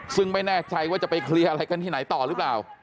ซึ่งไม่แน่ใจว่าจะไปเคลียร์อะไรกันที่ไหนต่อหรือเปล่า